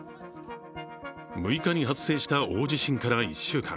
６日に発生した大地震から１週間。